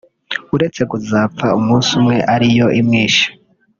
uretse kuzapfa umunsi umwe ariyo imwishe